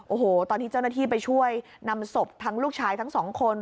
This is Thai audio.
โอ้โหตอนที่เจ้าหน้าที่ไปช่วยนำศพทั้งลูกชายทั้งสองคน